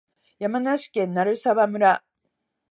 山梨県鳴沢村